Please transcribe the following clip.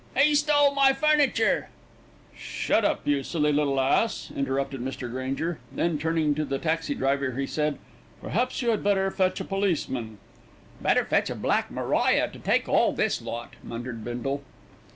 "He's stolen my furniture ' "Shut up, you silly little ass," interrupted Mr. Granger. Then turning to the taxi driver he said, "Perhaps you had better fetch a policeman." "Better fetch a Black Maria to take all this lot," muttered Bindle.